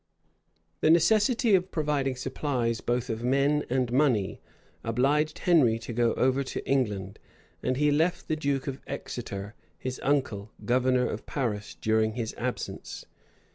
[*] {1421.} The necessity of providing supplies both of men and money, obliged Henry to go over to England; and he left the duke of Exeter, his uncle, governor of Paris during his absence.